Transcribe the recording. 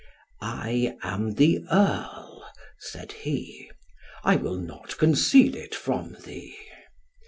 "I am the earl," said he. "I will not conceal it from thee."